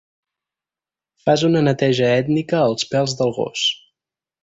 Fas una neteja ètnica als pèls del gos.